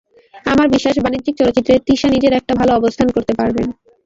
আমার বিশ্বাস, বাণিজ্যিক চলচ্চিত্রে তিশা নিজের একটা ভালো অবস্থান করতে পারবেন।